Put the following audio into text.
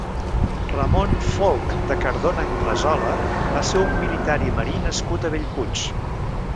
Ramon Folc de Cardona-Anglesola va ser un militar i marí nascut a Bellpuig.